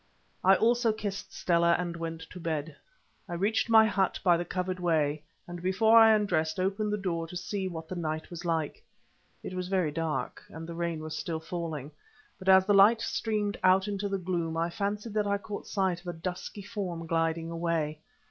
I also kissed Stella and went to bed. I reached my hut by the covered way, and before I undressed opened the door to see what the night was like. It was very dark, and rain was still falling, but as the light streamed out into the gloom I fancied that I caught sight of a dusky form gliding away.